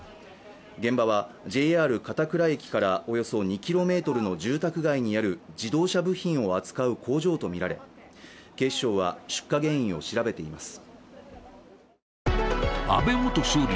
現場はＪＲ片倉駅からおよそ２ｋｍの住宅街にある自動車部品を扱う工場とみられ警視庁は出火原因を調べています。